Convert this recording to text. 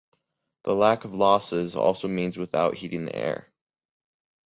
The lack of losses also means without heating the air.